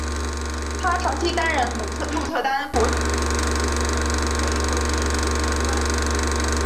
他长期担任鹿特丹国际电影节制作人以及柏林国际电影节的新闻官。